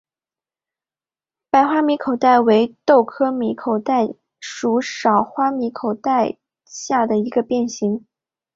白花米口袋为豆科米口袋属少花米口袋下的一个变型。